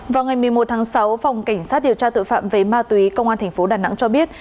vào ngày một mươi một tháng sáu phòng cảnh sát điều tra tội phạm về ma túy công an tp đà nẵng cho biết